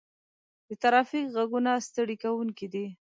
د ترافیک غږونه ستړي کوونکي دي.